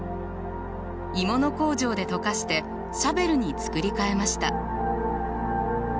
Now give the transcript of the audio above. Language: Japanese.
鋳物工場で溶かしてシャベルに作り替えました。